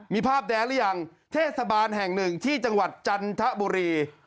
มีภาพแดนหรือยังเทศบาลแห่งหนึ่งที่จังหวัดจันทบุรี